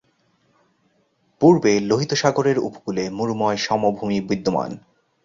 পূর্বে লোহিত সাগরের উপকূলে মরুময় সমভূমি বিদ্যমান।